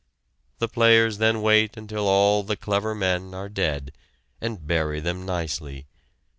The players then wait until all the clever men are dead, and bury them nicely.